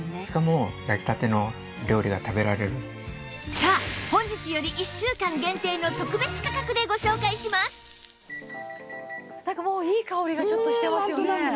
さあ本日より１週間限定の特別価格でご紹介しますなんかもういい香りがちょっとしてますよね。